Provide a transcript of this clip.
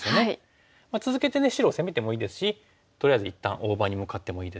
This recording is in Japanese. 続けてね白を攻めてもいいですしとりあえず一旦大場に向かってもいいですし。